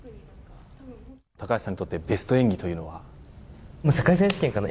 高橋さんにとってベスト演技というのは。